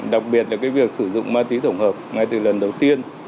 đặc biệt là việc sử dụng ma túy tổng hợp ngay từ lần đầu tiên